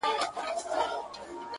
د شرابو خُم پر سر واړوه یاره!